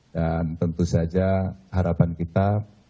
dan tentu saja harapan kita